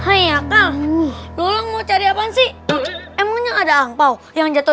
hai ya kan ngomong mau cari apaan sih emangnya ada angpao yang jatuh